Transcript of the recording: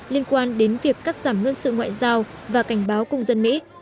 liên quan đến việc cắt giảm nhân sự ngoại giao và cảnh báo công dân mỹ